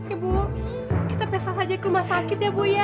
ibu kita pesen saja ke rumah sakit ya bu ya